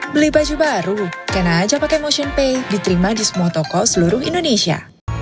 beli baju baru kena aja pake motionpay diterima di semua toko seluruh indonesia